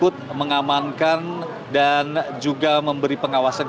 untuk menghasilkan kedua meinat tahun ini seperti aplikasi lamu lamu promosi